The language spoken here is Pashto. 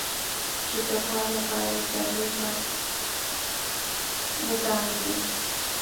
چې د دفاع لپاره یې جګړې ته ودانګي